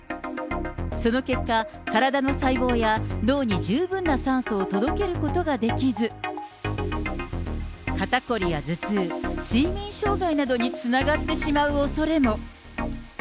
その結果、体の細胞や脳に十分な酸素を届けることができず、肩凝りや頭痛、睡眠障害などにつながってしまうおそれも。